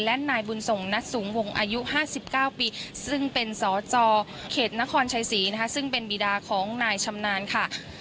และนายบุญส่งนัดสูงวงอายุ๕๙ปีซึ่งเป็นสจเขตนครชัยศรีนะคะซึ่งเป็นบีดาของนายชำนาญค่ะ